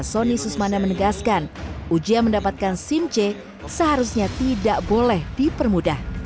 sonny susmana menegaskan ujian mendapatkan simc seharusnya tidak boleh dipermudah